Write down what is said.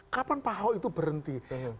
kapan pahaw itu berhenti